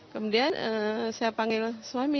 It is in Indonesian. kemudian saya panggil suami